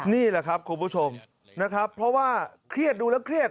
นี่แหละครับคุณผู้ชมนะครับเพราะว่าเครียดดูแล้วเครียด